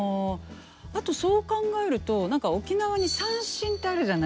あとそう考えると沖縄に三線ってあるじゃないですか。